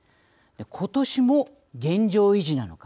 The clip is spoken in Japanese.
ことしも現状維持なのか。